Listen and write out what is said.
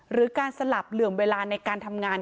หรือการสลับเหลื่อมเวลาในการทำงาน